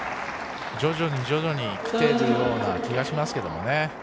徐々にきているような気がしますけどね。